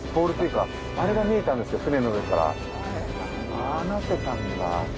ああなってたんだ。